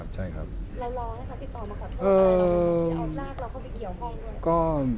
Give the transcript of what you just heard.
แล้วรอให้เขาติดต่อมาขอโทษให้พี่เอารากเข้าไปเกี่ยวให้ด้วย